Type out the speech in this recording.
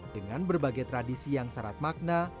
dengan berbagai tradisi yang syarat makna